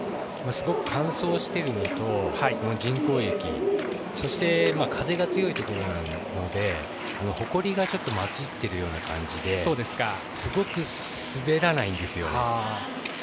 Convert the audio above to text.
すごく乾燥しているのと人工雪、そして風が強いところがあるのでほこりがちょっと混じっているような感じですごく、滑らないんですよ。